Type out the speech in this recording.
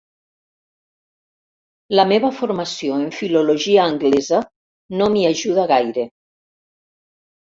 La meva formació en filologia anglesa no m'hi ajuda gaire.